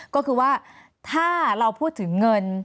ก็คือว่าถ้าเราพูดถึงเงิน